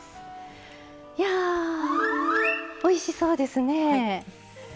いやー、おいしそうですね。